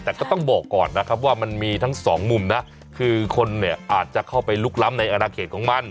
แต่ก็ต้องบอกก่อนนะครับว่ามันมีทั้งสองมุมนะคือคนเนี่ยอาจจะเข้าไปลุกล้ำในอนาเขตของมัน